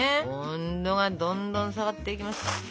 温度がどんどん下がっていきます。